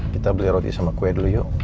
kita beli roti sama kue dulu yuk